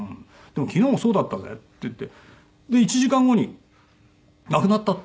「でも昨日もそうだったぜ」って言って１時間後に亡くなったと。